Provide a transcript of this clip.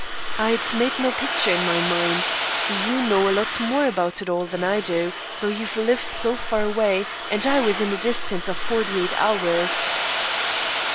"I'd made no picture in my mind. You know a lot more about it all than I do, though you've lived so far away, and I within a distance of forty eight hours."